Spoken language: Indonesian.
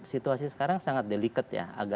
situasi sekarang sangat delicated ya